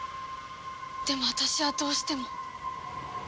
でも私はどうしても。